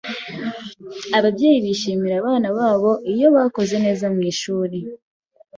Ababyeyi bishimira abana babo iyo bakoze neza mwishuri.